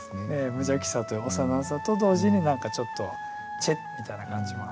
無邪気さと幼さと同時に何かちょっと「ちぇっ」みたいな感じもあって。